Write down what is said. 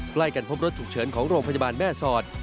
ใกล้กันพบรถฉุกเฉินของโรงพยาบาลแม่สอด